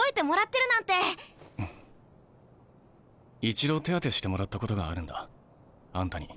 一度手当てしてもらったことがあるんだあんたに。